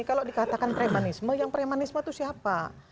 kalau dikatakan premanisme yang premanisme itu siapa